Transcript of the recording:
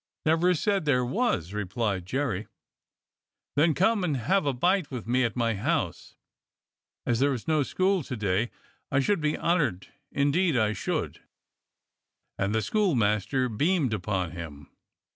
"Never said there was," replied Jerry. "Then come and have a bite with me at my house, as there's no school to day; I should be honoured, in deed I should," and the schoolmaster beamed upon him.